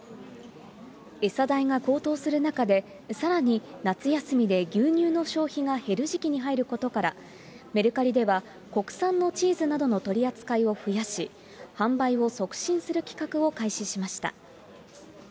餌代が高騰する中で、さらに夏休みで牛乳の消費が減る時期に入ることから、メルカリでは国産のチーズなどの取り扱いを増やし、販売を促進する企画を開始しました。